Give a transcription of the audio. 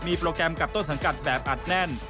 โปรแกรมกับต้นสังกัดแบบอัดแน่น